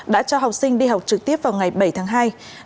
đã cho học sinh trung học cơ sở trung học phổ thông đi học trở lại